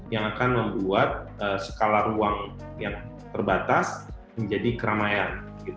yang akan membuat skala ruang yang terbatas menjadi keramaian